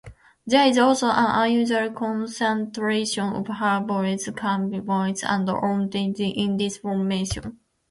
There is also an unusual concentration of herbivores, carnivores, and omnivores in this formation.